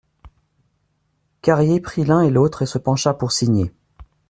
Carrier prit l'un et l'autre et se pencha pour signer.